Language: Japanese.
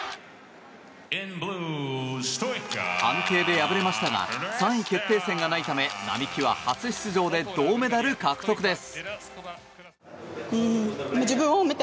判定で敗れましたが３位決定戦がないため並木は初出場で銅メダル獲得です。